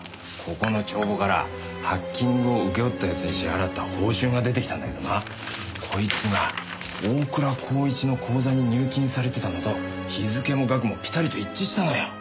ここの帳簿からハッキングを請け負った奴に支払った報酬が出てきたんだけどなこいつが大倉浩一の口座に入金されてたのと日付も額もピタリと一致したのよ。